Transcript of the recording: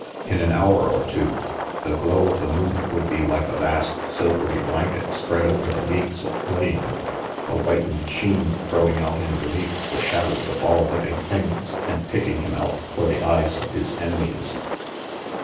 In an hour or two, the glow of the moon would be like a vast silvery blanket spread over the leagues of plain, a whitened sheen throwing out in relief the shadows of all living things and picking him out for the eyes of his enemies.